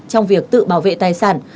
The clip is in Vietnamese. trong việc tự bảo vệ tài sản